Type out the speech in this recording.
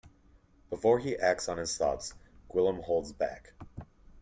Before he acts on his thoughts, Gwyllm holds back.